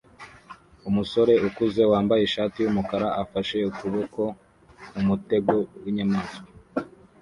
Umusore ukuze wambaye ishati yumukara afashe ukuboko mumutego winyamaswa